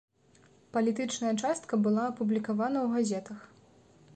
Палітычная частка была апублікавана ў газетах.